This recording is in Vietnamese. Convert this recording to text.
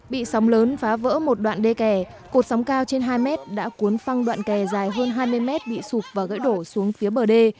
bị sóng lớn phá vỡ một đoạn đê kè cột sóng cao trên hai mét đã cuốn phăng đoạn kè dài hơn hai mươi mét bị sụp và gãy đổ xuống phía bờ đê